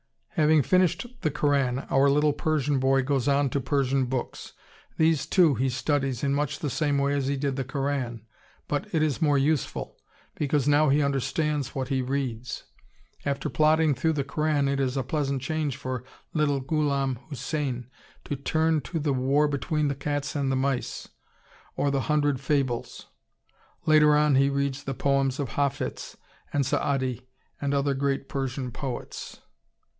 Having finished the Koran, our little Persian boy goes on to Persian books. These, too, he studies in much the same way as he did the Koran, but it is more useful, because now he understands what he reads. After plodding through the Koran it is a pleasant change for little Ghulam Husain to turn to the "War between the Cats and Mice" or the "Hundred Fables." Later on he reads the poems of Hafiz and Sa'adi, and other great Persian poets.